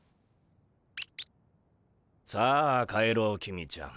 さあ帰ろう公ちゃん。